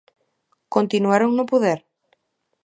Continuaron no poder?